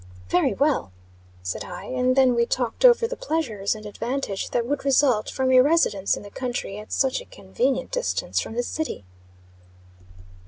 "Very well," said I. And then we talked over the pleasures and advantage that would result from a residence in the country, at such a convenient distance from the city.